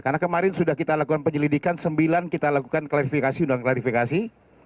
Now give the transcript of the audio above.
karena kemarin sudah kita lakukan penyelidikan sembilan kita lakukan klarifikasi undang klarifikasi